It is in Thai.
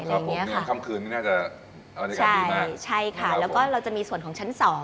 อะไรอย่างนี้ค่ะใช่ค่ะแล้วก็เราจะมีสวนของชั้น๒